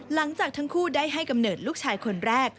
หลังจากทั้งคู่ได้ให้กำเนิดลูกชายคนแรก